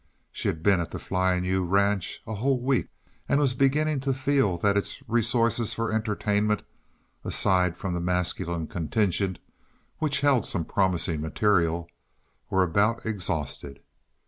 She had been at the Flying U ranch a whole week, and was beginning to feel that its resources for entertainment aside from the masculine contingent, which held some promising material were about exhausted.